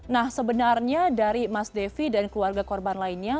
nah sebenarnya dari mas devi dan keluarga korban lainnya